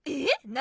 何？